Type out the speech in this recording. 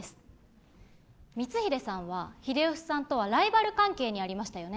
光秀さんは秀吉さんとはライバル関係にありましたよね？